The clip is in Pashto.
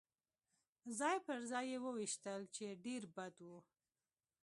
ځای پر ځای يې وویشتل، چې ډېر بد و.